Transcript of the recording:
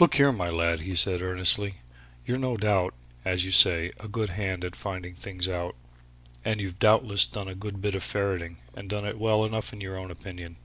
"Look here, my lad!" he said, earnestly. "You're no doubt, as you say, a good hand at finding things out, and you've doubtless done a good bit of ferreting, and done it well enough in your own opinion.